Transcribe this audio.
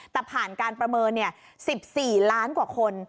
แต่ผ่านการประเมิน๑๔ล้านกว่าคน